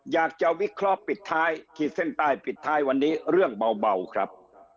อยากจะวิเคราะห์ปิดท้ายขีดเส้นใต้ปิดท้ายวันนี้เรื่องเบาครับ